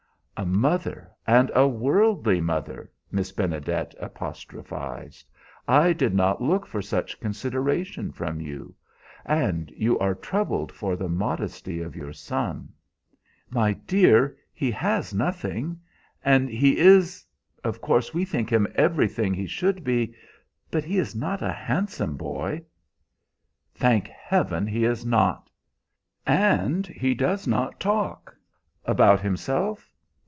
"A mother, and a worldly mother!" Miss Benedet apostrophized. "I did not look for such considerations from you. And you are troubled for the modesty of your son?" "My dear, he has nothing, and he is of course we think him everything he should be but he is not a handsome boy." "Thank Heaven he is not." "And he does not talk" "About himself.